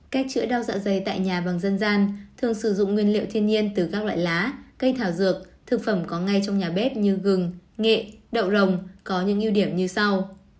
cách chữa đau dạ dày tại nhà bằng dân gian thường sử dụng nguyên liệu thiên nhiên từ các loại lá cây thảo dược thực phẩm có ngay trong nhà bếp như gừng nghệ đậu rồng có những ưu điểm như sau